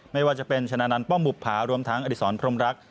ไม่ว่าจะเป็นชนะนันต์ป้อมบุภารวมทั้งอดิษรพรมรักษ